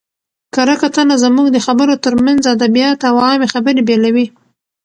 کره کتنه زموږ د خبرو ترمنځ ادبیات او عامي خبري بېلوي.